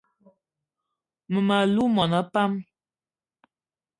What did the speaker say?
Mmem- alou mona pam